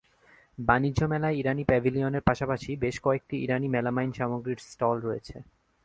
বাণিজ্য মেলায় ইরানি প্যাভিলিয়নের পাশাপাশি বেশ কয়েকটি ইরানি মেলামাইন সামগ্রীর স্টল রয়েছে।